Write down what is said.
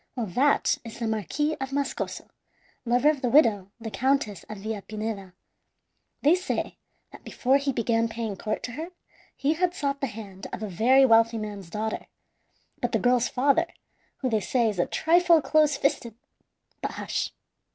Well, that is the Marquis of Mascoso, lover of the widow, the Countess of Villapineda. They say that before he began paying court to her he had sought the hand of a very wealthy man's daughter, but the girl's father, who they say is a trifle close fisted but hush!